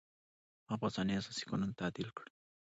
هغه په اسانۍ اساسي قانون تعدیل کړ.